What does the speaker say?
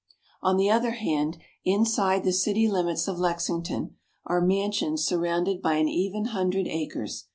On the other hand, inside the city limits of Lexington are mansions surrounded by an even hundred acres.